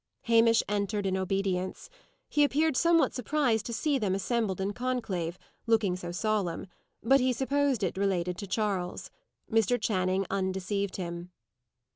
Hamish entered in obedience. He appeared somewhat surprised to see them assembled in conclave, looking so solemn; but he supposed it related to Charles. Mr. Channing undeceived him.